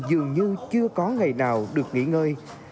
dường như chưa có ngày nào được nghỉ ngơi